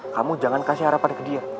kamu jangan kasih harapan ke dia